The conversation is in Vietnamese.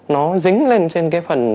nó dính lên trên cái phần